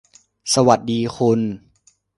สวัสดีคุณ